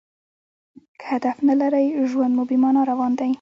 که هدف نه لرى؛ ژوند مو بې مانا روان دئ.